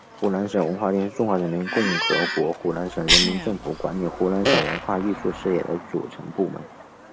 湖南省文化厅是中华人民共和国湖南省人民政府管理湖南省文化艺术事业的组成部门。